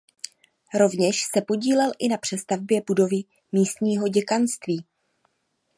Rovněž se podílel i na přestavbě budovy místního děkanství.